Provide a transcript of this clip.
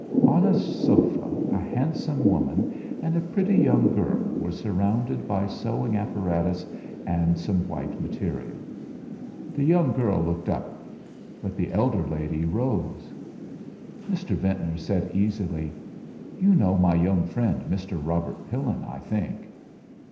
On a sofa a handsome woman and a pretty young girl were surrounded by sewing apparatus and some white material. The girl looked up, but the elder lady rose. Mr. Ventnor said easily "You know my young friend, Mr. Robert Pillin, I think."